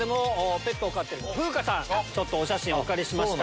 ちょっとお写真お借りしました。